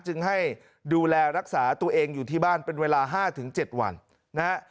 จึงให้ดูแลรักษาตัวเองอยู่ที่บ้านเป็นเวลา๕๗วันนะฮะ